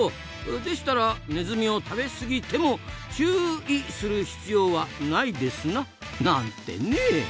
でしたらネズミを食べ過ぎても「チューい」する必要はないですな！なんてね。